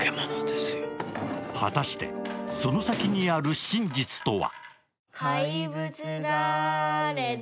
果たして、その先にある真実とは？